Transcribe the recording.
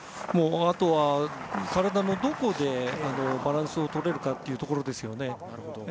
あとは、体のどこでバランスを取れるかということですね。